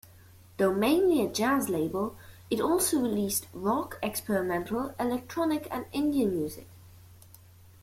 Though mainly a jazz label, it also released rock, experimental, electronic, and Indian music.